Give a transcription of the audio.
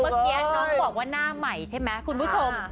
เมื่อกี้น้องบอกว่าหน้าใหม่ใช่ไหมคุณผู้ชม